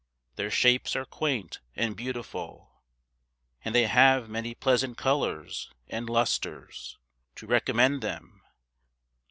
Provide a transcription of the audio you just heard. Their shapes are quaint and beautiful, And they have many pleasant colours and lustres To recommend them.